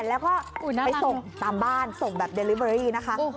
แล้วก็ไปส่งตามบ้านส่งแบบเดลิเบอรี่นะคะ